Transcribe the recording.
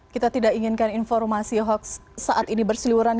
kita tidak inginkan informasi hoax saat ini berseluruhan